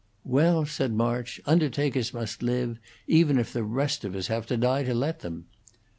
"Well," said March, "undertakers must live, even if the rest of us have to die to let them."